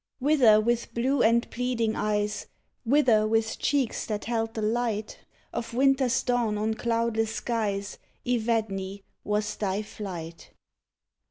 Whither, with blue and pleading eyes, — Whither, with cheeks that held the light Of winter's dawn on cloudless skies, Evadne, was thy flight*?